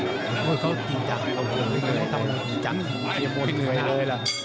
มวยเขาจริงจังไม่เหนื่อยเลยล่ะ